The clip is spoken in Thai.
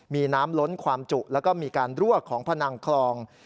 มีน้ำล้นความจุแล้วก็มีการรั่วของพนังคลอง